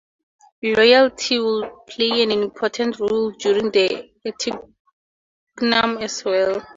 Loyalty would play an important role during the Interregnum as well.